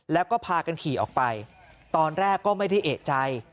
แล้วก็พากันขี่ออกไปตอนแรกก็ไม่ได้เอกใจ